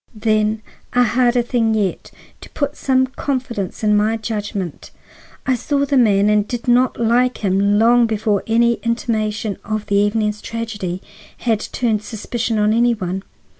"Then, a harder thing yet,—to put some confidence in my judgment. I saw the man and did not like him long before any intimation of the evening's tragedy had turned suspicion on any one.